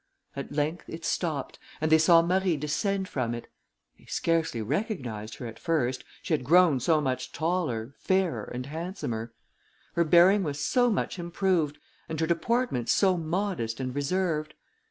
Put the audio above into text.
At length it stopped, and they saw Marie descend from it. They scarcely recognised her at first, she had grown so much taller, fairer, and handsomer; her bearing was so much improved, and her deportment so modest and reserved.